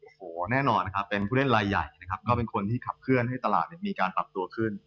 โอ้โหแน่นอนนะครับเป็นผู้เล่นรายใหญ่นะครับก็เป็นคนที่ขับเคลื่อนให้ตลาดมีการปรับตัวขึ้น